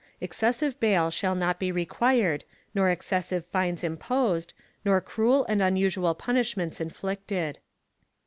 Excessive bail shall not be required, nor excessive fines imposed, nor cruel and unusual punishments inflicted.